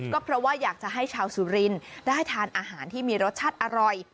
ก็เพราะว่าอยากจะให้ชาวสุรินได้ทานอาหารที่มีรสชาติอร่อย